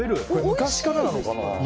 昔からなのかな。